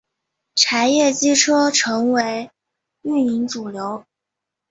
柴液机车成为营运主流。